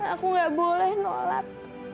aku gak boleh nolak